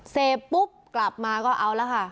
เสพปุ๊บกลับมาก็เอาแล้วค่ะ